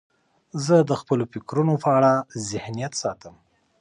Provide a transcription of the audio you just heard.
زه د خپلو فکرونو په اړه ذهنیت ساتم.